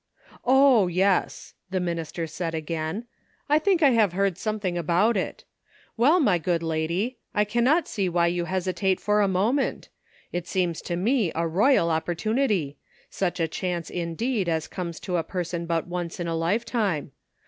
" O, yes !" the minister said again ;" I think I have heard something about it* Well, my 196 CONFLICTING ADVICE. good lady, I cannot see why you hesitate for a moment. It seems to me a royal opportunity — such a chance, indeed, as comes to a person but once in a lifetime.